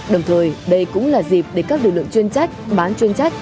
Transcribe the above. đồng thời đây cũng là dịp để các lực lượng chuyên trách bán chuyên trách